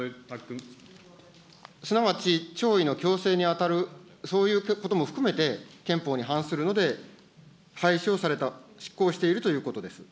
すなわち、弔意の強制に当たるそういうことも含めて、憲法に反するので、廃止をされたと、失効しているということです。